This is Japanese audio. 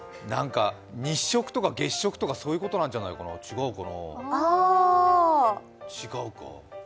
日食とか月食とかそういうことなんじゃないかな、違うかなあ。